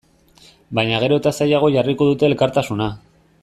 Baina gero eta zailago jarriko dute elkartasuna.